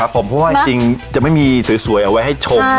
เพราะว่าจริงจะไม่มีสวยเอาไว้ให้ชม